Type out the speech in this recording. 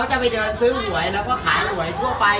จะไปซื้อหวยและซื้อขายทั่วไป